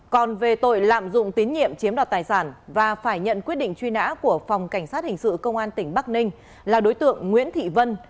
còn về tội lạm dụng tín nhiệm chiếm đoạt tài sản và phải nhận quyết định truy nã của phòng cảnh sát hình sự công an tỉnh bắc ninh là đối tượng nguyễn thị vân